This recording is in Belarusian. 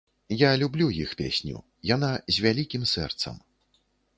Я люблю іх песню, яна з вялікім сэрцам.